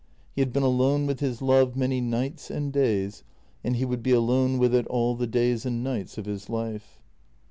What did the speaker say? He had been alone with his love many nights and days, and he would be alone with it all the days and nights of his life.